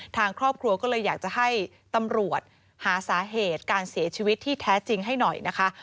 ทางครอบครัวก็เลยอยากจะให้ตำรวจหาสาเหตุการเสียชีวิตที่แท้จริงให้หน่อยนะคะ